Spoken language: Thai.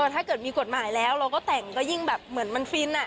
ถ้าเกิดมีกฎหมายแล้วเราก็แต่งก็ยิ่งแบบเหมือนมันฟิน